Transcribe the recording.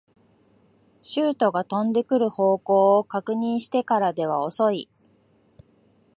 シュートが飛んでくる方向を確認してからでは遅い